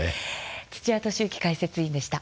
土屋敏之解説委員でした。